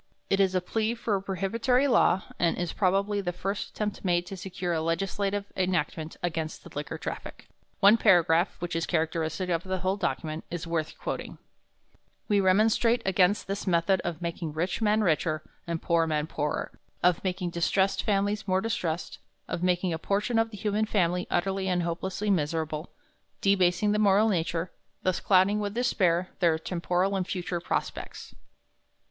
It is a plea for a prohibitory law, and is, probably, the first attempt made to secure a legislative enactment against the liquor traffic. One paragraph, which is characteristic of the whole document, is worth quoting: "We remonstrate against this method of making rich men richer and poor men poorer; of making distressed families more distressed; of making a portion of the human family utterly and hopelessly miserable, debasing the moral nature, and thus clouding with despair their temporal and future prospects."